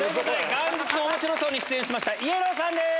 元日の『おもしろ荘』に出演しましたＹＥＬＬＯＷｗｗさんです。